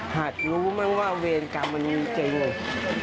หาดรู้มั้งว่าเวรกรรมมันเจ๋งเลยรู้ไหม